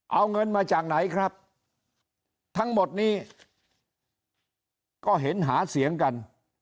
เอาเงินมาจากไหนครับทั้งหมดนี้ก็เห็นหาเสียงกัน